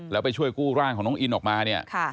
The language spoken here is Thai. แล้วไปช่วยกู้ร่างของน้องอินออกมาเนี่ย